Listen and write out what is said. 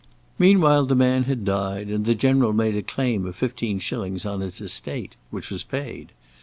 Meanwhile the man had died, and the General made a claim of fifteen shillings on his estate, which was paid.